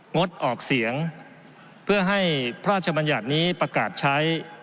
งดออกเสียงเพื่อให้พระราชบัญญัตินี้ประกาศใช้